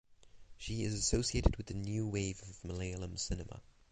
She is associated with the new wave of Malayalam cinema.